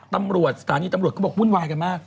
ตำรวจสถานีตำรวจเขาบอกวุ่นวายกันมาก